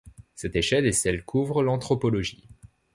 Cette échelle est celle qu’ouvre l’anthropologie.